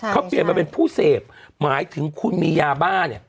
เขาเปลี่ยนมาเป็นผู้เสพหมายถึงคุณมียาบ้าเนี่ย